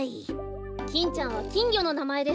キンちゃんはきんぎょのなまえです。